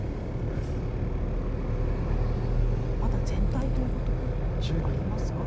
まだ全体ということもありますか？